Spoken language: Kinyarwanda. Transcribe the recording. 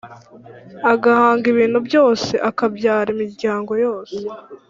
agahanga ibintu byose, akabyara imiryango yose!